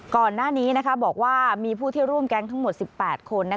ก่อนหน้านี้บอกว่ามีผู้ที่ร่วมแก๊งทั้งหมด๑๘คน